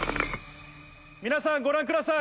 皆さん、ご覧ください。